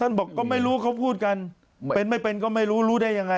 บอกก็ไม่รู้เขาพูดกันเป็นไม่เป็นก็ไม่รู้รู้ได้ยังไง